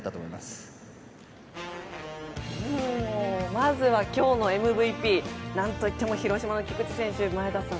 まずは今日のＭＶＰ何と言っても広島の菊池選手前田さん